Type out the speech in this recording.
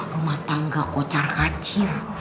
rumah tangga kocar kacir